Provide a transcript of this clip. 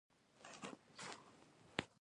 ایدیالوژیکې رسالې پرېمانه چاپېدلې.